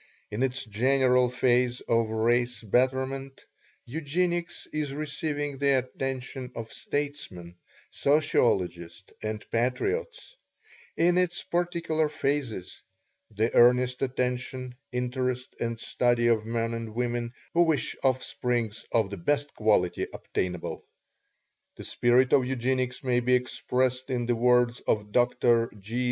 In its general phase of race betterment, Eugenics is receiving the attention of statesmen, sociologists and patriots; in its particular phases, the earnest attention, interest and study of men and women who wish offspring of the best quality obtainable. The spirit of Eugenics may be expressed in the words of Dr. G.